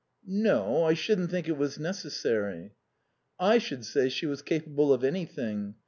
"No. I shouldn't think it was necessary." "I should say she was capable of anything.